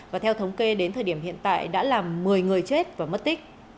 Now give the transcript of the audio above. và theo thống kê đến thời điểm hiện tại đã làm một mươi người chết và mất tích